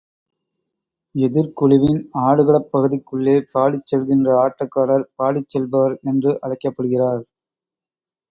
எதிர்க்குழுவின் ஆடுகளப் பகுதிக்குள்ளே பாடிச் செல்கின்ற ஆட்டக்காரர், பாடிச் செல்பவர் என்று அழைக்கப்படுகிறார்.